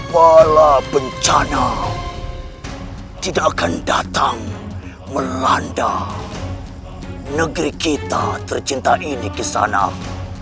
walau bencana tidak akan datang melanda negeri kita tercinta ini ke sana